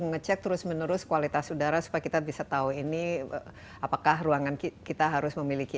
mengecek terus menerus kualitas udara supaya kita bisa tahu ini apakah ruangan kita harus memiliki